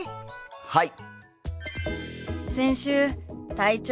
はい！